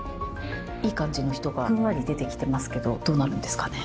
いい感じの人がふんわり出てきてますけどどうなるんですかね。